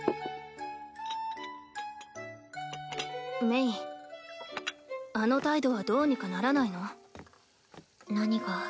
鳴あの態度はどうにかならないの？何が？